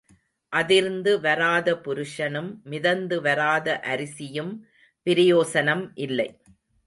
அதிர்ந்து வராத புருஷனும் மிதந்து வராத அரிசியும் பிரயோசனம் இல்லை.